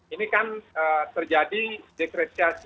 ini kan terjadi dekresiasi